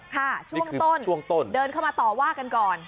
ค่ะช่วงต้นเดินเข้ามาต่อว่ากันก่อน